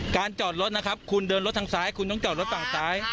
จอดรถนะครับคุณเดินรถทางซ้ายคุณต้องจอดรถฝั่งซ้าย